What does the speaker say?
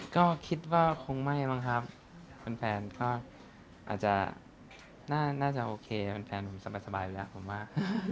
ก็คิดว่าคงไม่มั้งครับเป็นแฟนก็อาจจะน่าน่าจะโอเคเป็นแฟนผมสบายสบายเลยอ่ะผมว่า